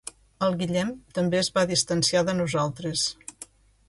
El Guillem també es va distanciar de nosaltres.